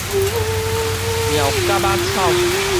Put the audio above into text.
妙蛤仔草